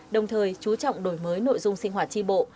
đồng thời chú trọng đổi mới nội dung sinh hoạt tri bộ